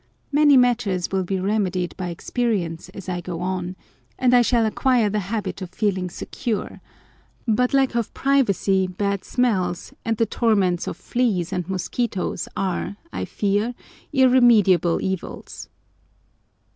Many matters will be remedied by experience as I go on, and I shall acquire the habit of feeling secure; but lack of privacy, bad smells, and the torments of fleas and mosquitoes are, I fear, irremediable evils.